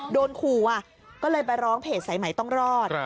โดนขู่ก็เลยไปร้องเพจสายใหม่ต้องรอด